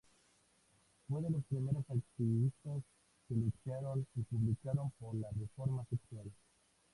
Fue de las primeras activistas que lucharon y publicaron por la reforma sexual.